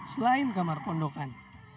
selain kamar pondokan